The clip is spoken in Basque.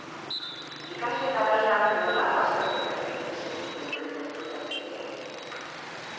Ikasle garaian, nolako azterketak egiten zituzten gure tertuliakideek?